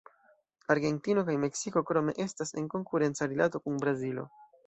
Argentino kaj Meksiko krome estas en konkurenca rilato kun Brazilo.